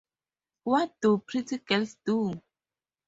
What Do Pretty Girls Do?